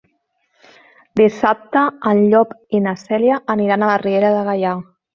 Dissabte en Llop i na Cèlia aniran a la Riera de Gaià.